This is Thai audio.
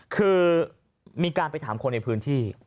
คือมีการไปถามคนในพื้นที่